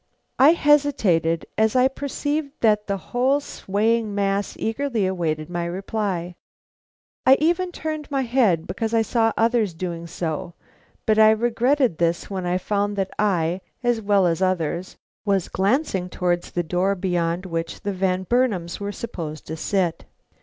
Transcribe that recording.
I hesitated, as I perceived that the whole swaying mass eagerly awaited my reply. I even turned my head because I saw others doing so; but I regretted this when I found that I, as well as others, was glancing towards the door beyond which the Van Burnams were supposed to sit.